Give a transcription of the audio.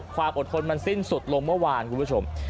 ความอดทนมันสิ้นสุดลงเมื่อวานคุณผู้ชม